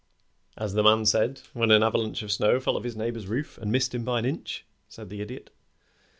"As the man said when an avalanche of snow fell off his neighbor's roof and missed him by an inch," said the Idiot.